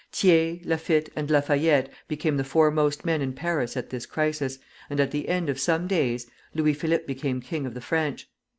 Thiers, Laffitte, and Lafayette became the foremost men in Paris at this crisis, and at the end of some days Louis Philippe became king of the French.